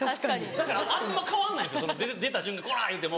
だからあんま変わんないんですよ出た瞬間「こら‼」言うても。